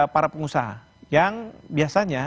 para pengusaha yang biasanya